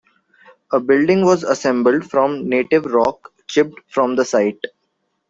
A building was assembled from native rock chipped from the site.